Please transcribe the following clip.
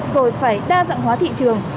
rồi phải đa dạng hóa thị trường